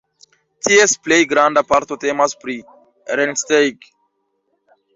Ties plej granda parto temas pri Rennsteig.